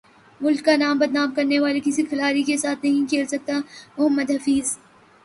ملک کا نام بدنام کرنے والے کسی کھلاڑی کے ساتھ نہیں کھیل سکتا محمد حفیظ